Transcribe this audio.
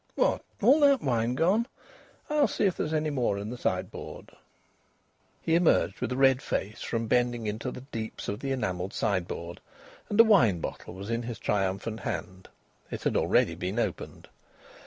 "What! All that wine gone! I'll see if there's any more in the sideboard." He emerged, with a red face, from bending into the deeps of the enamelled sideboard, and a wine bottle was in his triumphant hand. It had already been opened.